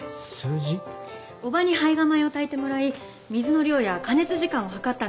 叔母に胚芽米を炊いてもらい水の量や加熱時間をはかったんです。